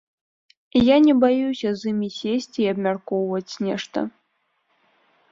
Я не баюся з імі сесці і абмяркоўваць нешта.